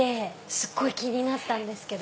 すごい気になったんですけど。